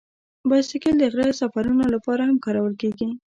بایسکل د غره سفرونو لپاره هم کارول کېږي.